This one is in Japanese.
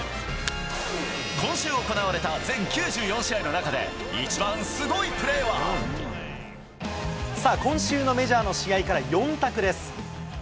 今週行われた全９４試合の中で、さあ、今週のメジャーの試合から４択です。